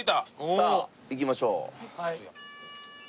さあ行きましょう。